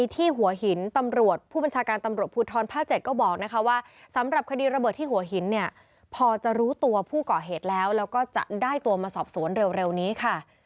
ที่หัวหินตำรวจผู้บัญชาการตำรวจภูทรภาค๗ก็บอกนะคะว่าสำหรับคดีระเบิดที่หัวหินเนี่ยพอจะรู้ตัวผู้ก่อเหตุแล้วแล้วก็จะได้ตัวมาสอบสวนเร็วนี้ค่ะ